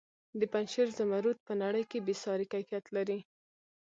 د پنجشیر زمرد په نړۍ کې بې ساري کیفیت لري.